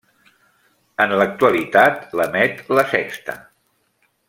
En l'actualitat l'emet La Sexta.